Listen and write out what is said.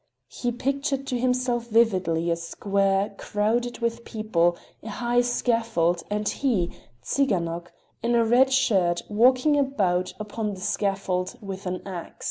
He pictured to himself vividly a square crowded with people, a high scaffold, and he, Tsiganok, in a red shirt walking about upon the scaffold with an ax.